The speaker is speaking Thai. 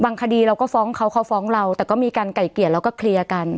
คดีเราก็ฟ้องเขาเขาฟ้องเราแต่ก็มีการไก่เกลียดแล้วก็เคลียร์กัน